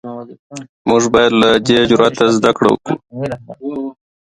موږ باید له ده جرئت زده کړو.